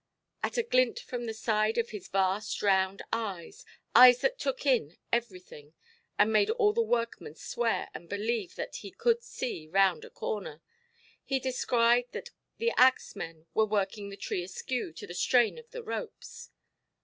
At a glint from the side of his vast round eyes—eyes that took in everything, and made all the workmen swear and believe that he could see round a corner—he descried that the axemen were working the tree askew to the strain of the ropes.